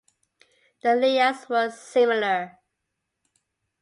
The layouts were similar.